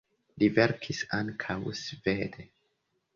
Li verkis ankaŭ svede.